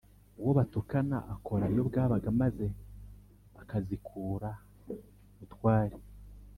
uwo batukana akora iyo bwabaga maze akazikùra•utwari